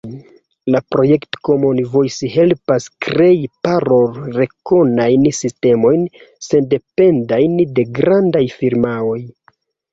La projekto Common Voice helpas krei parolrekonajn sistemojn, sendependajn de grandaj firmaoj.